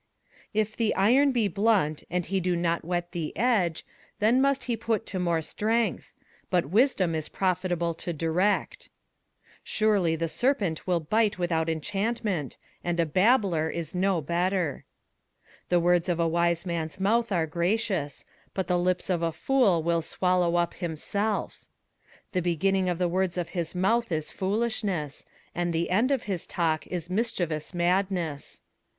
21:010:010 If the iron be blunt, and he do not whet the edge, then must he put to more strength: but wisdom is profitable to direct. 21:010:011 Surely the serpent will bite without enchantment; and a babbler is no better. 21:010:012 The words of a wise man's mouth are gracious; but the lips of a fool will swallow up himself. 21:010:013 The beginning of the words of his mouth is foolishness: and the end of his talk is mischievous madness.